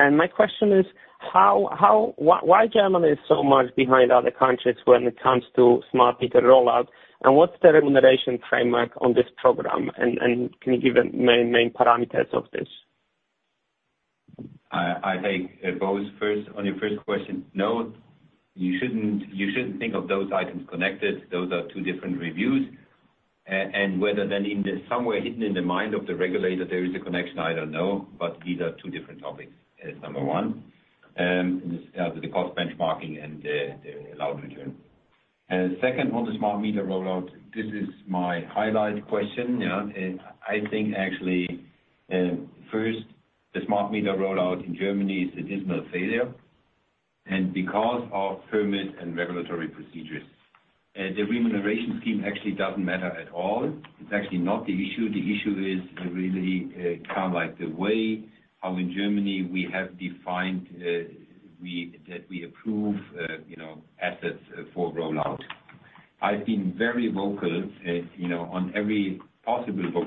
S13: My question is, why Germany is so much behind other countries when it comes to smart meter rollout, and what's the remuneration framework on this program? Can you give the main parameters of this?
S3: I think both. First, on your first question, no, you shouldn't think of those items as connected. Those are two different reviews. Whether then, in the somewhat hidden in the mind of the regulator, there is a connection, I don't know. These are two different topics, that's number one. The cost benchmarking and the allowed return. Second, on the smart meter rollout, this is my highlight question, yeah. I think actually, first, the smart meter rollout in Germany is a dismal failure. Because of permit and regulatory procedures, the remuneration scheme actually doesn't matter at all. It's actually not the issue. The issue is really, kind of like the way how in Germany we have defined that we approve, you know, assets for rollout. I've been very vocal, you know, on every possible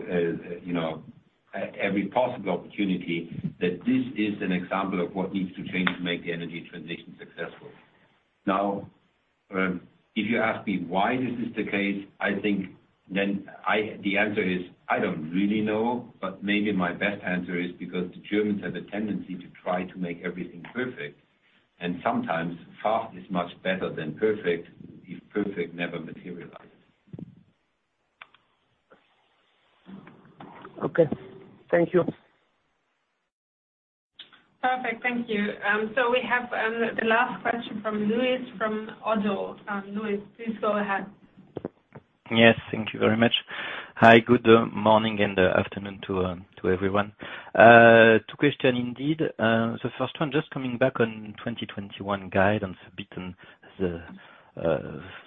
S3: opportunity that this is an example of what needs to change to make the energy transition successful. Now, if you ask me why this is the case, I think the answer is I don't really know, but maybe my best answer is because the Germans have a tendency to try to make everything perfect. Sometimes fast is much better than perfect, if perfect never materializes.
S13: Okay. Thank you.
S2: Perfect. Thank you. We have the last question from Louis, from ODDO BHF. Louis, please go ahead.
S14: Yes. Thank you very much. Hi, good morning and afternoon to everyone. Two questions indeed. The first one, just coming back on 2021 guide and a bit on the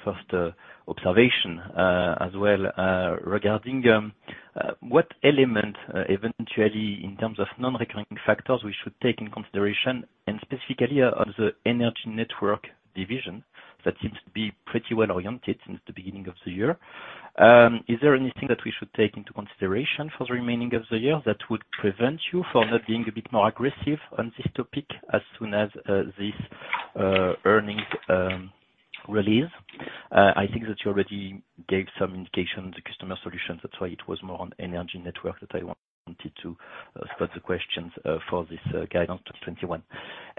S14: first observation as well, regarding what element eventually in terms of non-recurring factors we should take into consideration, and specifically of the Energy Networks that seems to be pretty well-oriented since the beginning of the year. Is there anything that we should take into consideration for the remaining of the year that would prevent you from not being a bit more aggressive on this topic as soon as this earnings release? I think that you already gave some indication, the Customer Solutions, that's why it was more on Energy Networks that I wanted to ask other questions for this guidance 2021.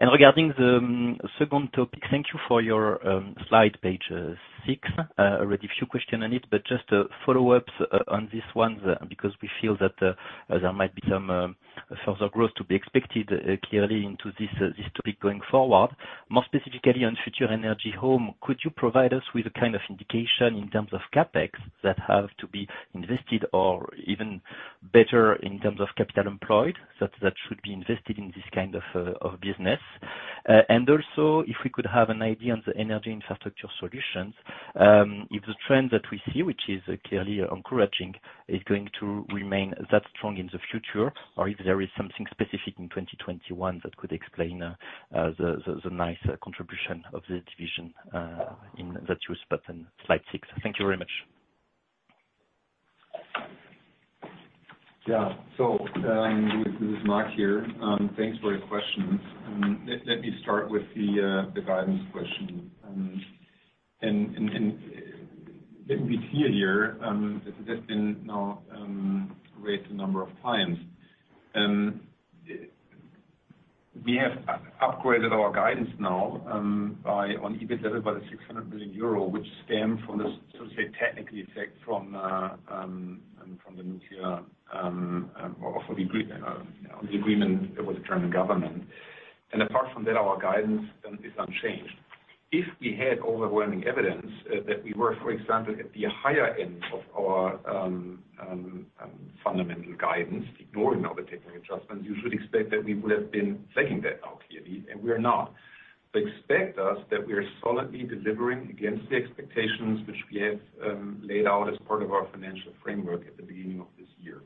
S14: Regarding the second topic, thank you for your slide page 6. Already a few questions on it, but just follow-ups on this one because we feel that there might be some further growth to be expected clearly into this topic going forward. More specifically on Future Energy Home, could you provide us with a kind of indication in terms of CapEx that have to be invested or even better in terms of capital employed, that should be invested in this kind of business? And also if we could have an idea on the Energy Infrastructure Solutions, if the trend that we see, which is clearly encouraging, is going to remain that strong in the future, or if there is something specific in 2021 that could explain the nice contribution of the division in that you see on slide 6. Thank you very much.
S4: This is Marc here. Thanks for your questions. Let me start with the guidance question. Let me be clear here, this has now been raised a number of times. We have upgraded our guidance now, on EBIT level by 600 million euro, which stem from the so-called technical effect from the nuclear agreement with the German government. Apart from that, our guidance is unchanged. If we had overwhelming evidence that we were, for example, at the higher end of our fundamental guidance, ignoring all the technical adjustments, you should expect that we would have been saying that now clearly, and we are not. expect that we are solidly delivering against the expectations which we have laid out as part of our financial framework at the beginning of this year,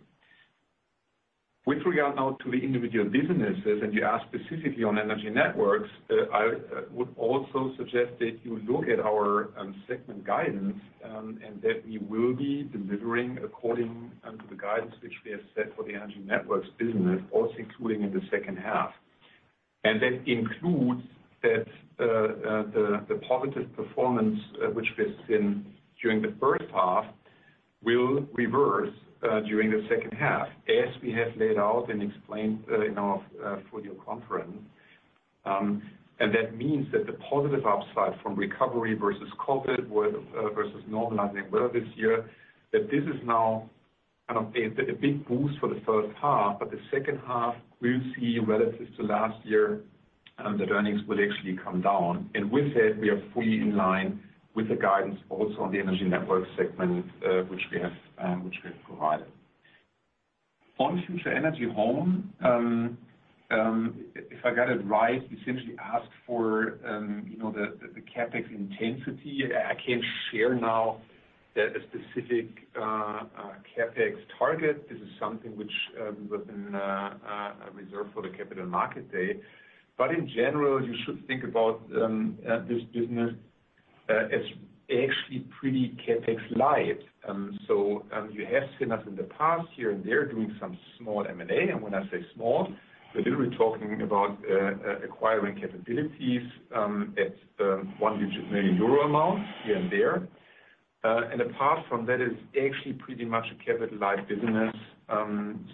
S4: which we are now turning to the individual businesses, and you ask specifically on Energy Networks. I would also suggest that you look at our segment guidance, and that we will be delivering according to the guidance which we have set for the Energy Networks business, also including in the second half. That includes that the positive performance which we've seen during the first half will reverse during the second half, as we have laid out and explained in our full year conference. That means that the positive upside from recovery versus COVID versus normalizing weather this year, that this is now kind of a big boost for the first half, but the second half we'll see relative to last year, the earnings will actually come down. With it, we are fully in line with the guidance also on the Energy Networks segment, which we have provided. On Future Energy Home, if I got it right, you simply asked for, you know, the CapEx intensity. I can't share now the specific CapEx target. This is something which we've been reserved for the Capital Markets Day. But in general, you should think about this business as actually pretty CapEx light. You have seen us in the past here and there doing some small M&A. When I say small, we're literally talking about acquiring capabilities at one-digit million EUR amount here and there. Apart from that, it's actually pretty much a capital light business.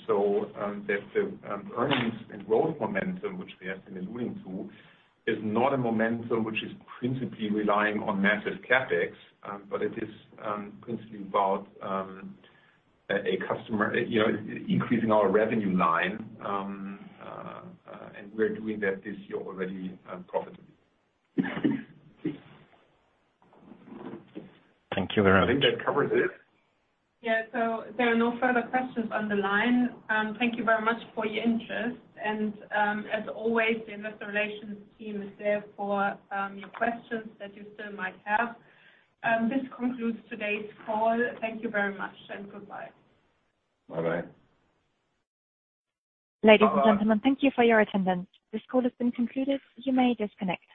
S4: So that the earnings and growth momentum, which we have been alluding to, is not a momentum which is principally relying on massive CapEx, but it is principally about a customer, you know, increasing our revenue line, and we're doing that this year already, profitably.
S14: Thank you very much. I think that covers it.
S2: Yeah. There are no further questions on the line. Thank you very much for your interest. As always, the investor relations team is there for your questions that you still might have. This concludes today's call. Thank you very much, and goodbye.
S4: Bye-bye.
S1: Ladies and gentlemen, thank you for your attendance. This call has been concluded. You may disconnect.